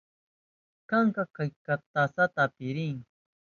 Kanka, chay tasata apiriy.